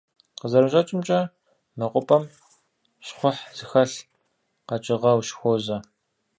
КъызэрыщӀэкӀымкӀэ, мэкъупӀэм щхъухь зыхэлъ къэкӀыгъэ ущыхуозэ.